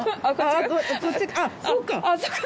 あっそっか！